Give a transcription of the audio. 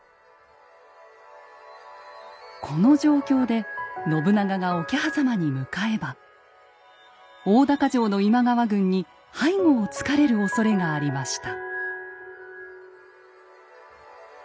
この状況で信長が桶狭間に向かえば大高城の今川軍に背後をつかれるおそれがありました。